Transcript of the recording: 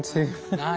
はい。